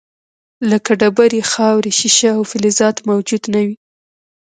لکه ډبرې، خاورې، شیشه او فلزات موجود نه وي.